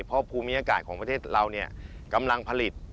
เพราะภูมิอากาศของประเทศเรากำลังผลิต